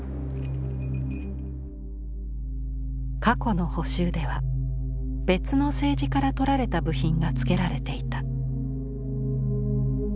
過去の補修では別の青磁から取られた部品がつけられていた。